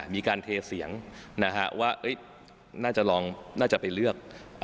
มีการเทเสียงว่าน่าจะไปเลือก